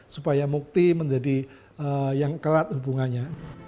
supaya mukti menjadi yang kerat hubungannya